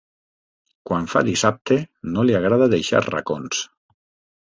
Quan fa dissabte no li agrada deixar racons.